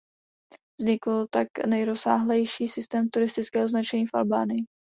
Vznikl tak nejrozsáhlejší systém turistického značení v Albánii.